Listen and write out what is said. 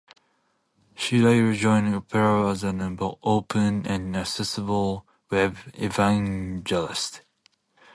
She later joined Opera as an open and accessible web evangelist.